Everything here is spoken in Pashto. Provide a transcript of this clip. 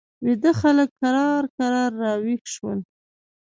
ویده خلک کرار کرار را ویښ شول.